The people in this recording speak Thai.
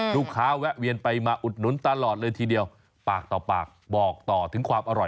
แวะเวียนไปมาอุดหนุนตลอดเลยทีเดียวปากต่อปากบอกต่อถึงความอร่อย